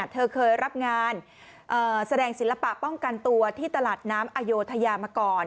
เธอเคยรับงานแสดงศิลปะป้องกันตัวที่ตลาดน้ำอโยธยามาก่อน